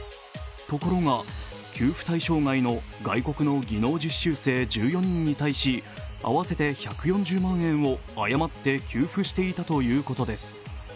ところが、給付対象外の外国の技能実習生１４人に対し合わせて１４０万円を誤って給付していたということです。